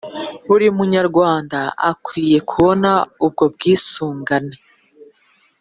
buri munyarwanda akwiye kubona ubwo bwisungane